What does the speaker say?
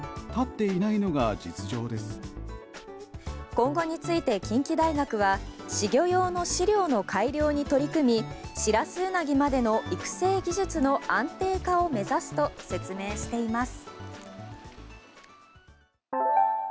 今後について近畿大学は仔魚用の飼料の改良に取り組みシラスウナギまでの育成技術の安定化を目指すと説明しています。